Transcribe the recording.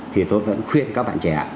thì tôi vẫn khuyên các bạn trẻ